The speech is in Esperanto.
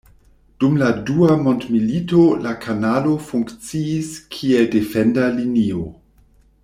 Dum la dua mondmilito la kanalo funkciis kiel defenda linio.